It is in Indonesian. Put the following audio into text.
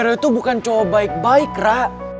tapi vero itu bukan cowok baik baik ra